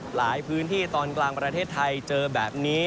หลายพื้นที่ตอนกลางประเทศไทยเจอแบบนี้